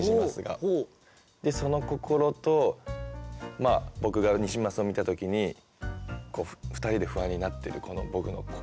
でその心と僕がニジマスを見た時に２人で不安になってるこの僕の心と。